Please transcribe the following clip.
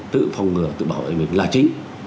tự phòng ngừa tự bảo vệ mình là trí